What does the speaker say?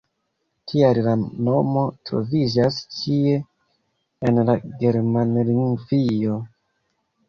Tial la nomo troviĝas ĉie en la Germanlingvio.